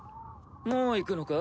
もう行くのか？